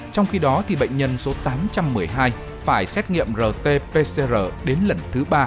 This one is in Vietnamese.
trong khi đó bệnh nhân số tám trăm một mươi hai phải xét nghiệm rt pcr đến lần thứ ba